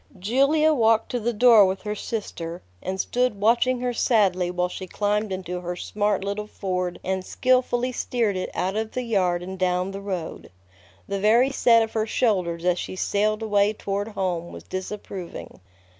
Julia walked to the door with her sister, and stood watching her sadly while she climbed into her smart little Ford and skillfully steered it out of the yard and down the road. The very set of her shoulders as she sailed away toward home was disapproving.